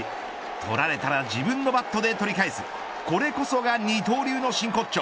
取られたら自分のバットで取り返すこれこそが二刀流の真骨頂。